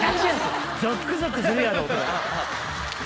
「ゾックゾクするやろ？」とかな。